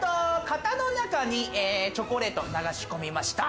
型の中にチョコレートを流し込みました。